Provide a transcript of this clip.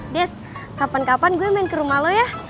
des kapan kapan gue main ke rumah lo ya